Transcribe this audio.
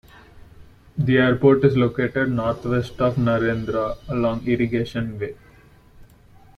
The airport is located northwest of Narrandera along Irrigation Way.